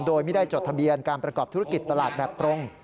โดยไม่ได้จดทะเบียนการประกอบธุรกิจตลาดแบบตรง